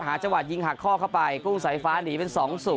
จังหวะยิงหักข้อเข้าไปกุ้งสายฟ้าหนีเป็น๒๐